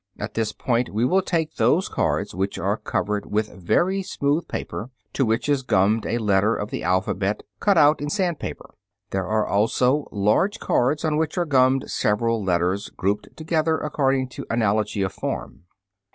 At this point we take those cards which are covered with very smooth paper, to which is gummed a letter of the alphabet cut out in sandpaper. (Fig. 29.) There are also large cards on which are gummed several letters, grouped together according to analogy of form.